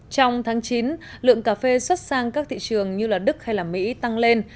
trong tháng chín lượng cà phê xuất sang các thị trường như đức hay mỹ tăng lên